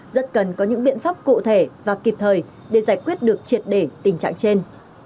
rất cần có những biện pháp cụ thể và kịp thời để giải quyết được triệt để tình trạng trên